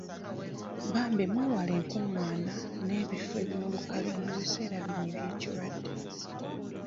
Bambi mwewale enkungaana n'ebifo by'olukale mu biseera bino eby'ekirwadde.